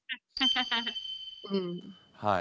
はい。